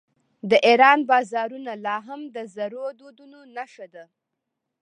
د ایران بازارونه لا هم د زړو دودونو نښه ده.